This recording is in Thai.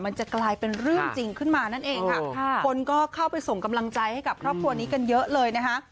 มันจะกลายเป็นเรื่องจริงขึ้นมานั่นเองค่ะคนก็เข้าไปส่งกำลังใจให้กับครอบครัวนี้กันเยอะเลยนะคะ